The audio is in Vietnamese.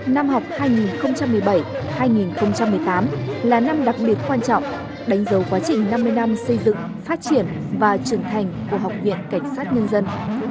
năm học hai nghìn một mươi bảy hai nghìn một mươi tám là năm đặc biệt quan trọng đánh dấu quá trình năm mươi năm xây dựng phát triển và trưởng thành của học viện cảnh sát nhân dân